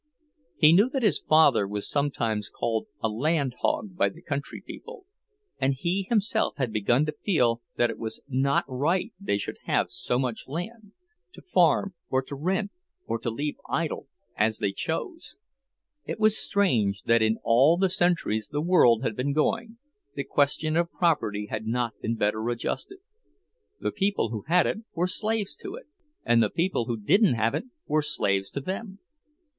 He knew that his father was sometimes called a "land hog" by the country people, and he himself had begun to feel that it was not right they should have so much land, to farm, or to rent, or to leave idle, as they chose. It was strange that in all the centuries the world had been going, the question of property had not been better adjusted. The people who had it were slaves to it, and the people who didn't have it were slaves to them.